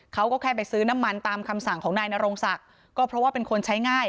เขาก็แค่ไปซื้อน้ำมันตามคำสั่งของนายนรงศักดิ์ก็เพราะว่าเป็นคนใช้ง่าย